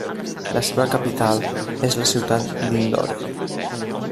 La seva capital és la ciutat d'Indore.